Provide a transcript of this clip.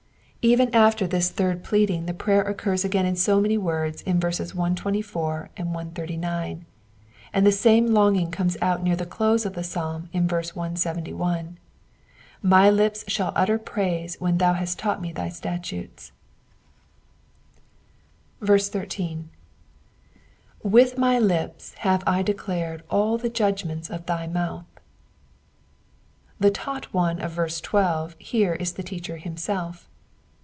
Even after this third pleading the prayer occurs again in so many words in verses 124 and 189, and the same longing comes out near the close of the psalm in verse 171 —^* My lips shall utter praise when thou hast taught mc thy statutes/' 18. *'*'Witk my lip$ have I declared all the jud^QmenU of thy mauth.^^ The taught one of verse 12 is here a teacher himself.